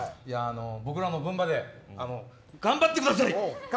僕らの分まで頑張ってください。